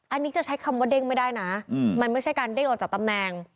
อันนี้จะใช้คำว่าเด้งไม่ได้นะมันไม่ใช่การเด้งออกจากตำแหน่ง